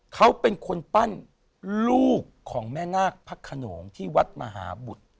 เขาเป็นคนปั้นลูกของแม่นาคพระขนงที่วัดมหาบุตร